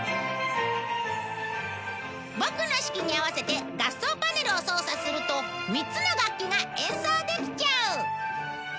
ボクの指揮に合わせて合奏パネルを操作すると３つの楽器が演奏できちゃう！